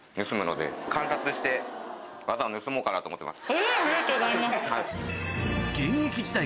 えっありがとうございます。